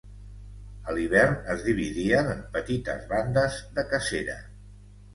A l'hivern es dividien en petites bandes de cacera.